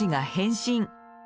変身！